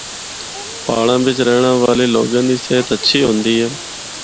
پہاڑاں بچ رہنڑا والے لوگاں دی صحت اچھی ہوندی ہے۔